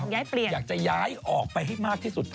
ย้ายออกอยากจะย้ายออกให้มากที่สุด